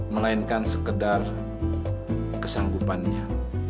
melainkan sekedar kesanggupannya